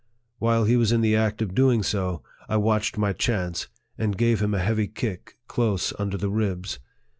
While he was in the act of doing so, I watched my chance, and gave him a heavy kick close under the ribs.